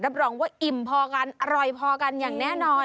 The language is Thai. รองว่าอิ่มพอกันอร่อยพอกันอย่างแน่นอน